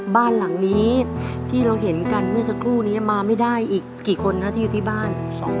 บ้านหลังนี้ที่เราเห็นกันเมื่อสักครู่นี้มาไม่ได้อีกกี่คนนะที่อยู่ที่บ้าน